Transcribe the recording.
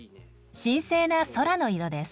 神聖な空の色です。